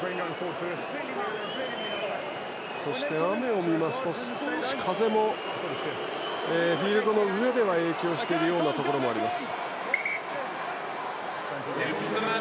そして雨と、少し風もフィールドの上では影響しているところもあります。